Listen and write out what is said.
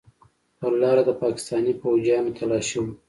پر لاره د پاکستاني فوجيانو تلاشي وه.